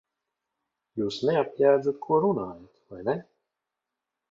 Jūs neapjēdzat, ko runājat, vai ne?